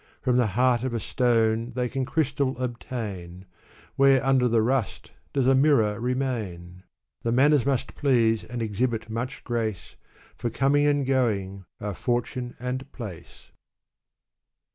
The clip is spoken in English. From the heart of a stone they can crystal obtain; Where under the rust does a mirror remain? The manners must please and exhibit much grace. For coming and going are Fortune and Place.